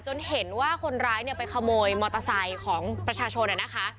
เห็นว่าคนร้ายเนี่ยไปขโมยมอเตอร์ไซค์ของประชาชนนะคะ